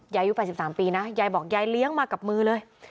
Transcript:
อายุ๘๓ปีนะยายบอกยายเลี้ยงมากับมือเลย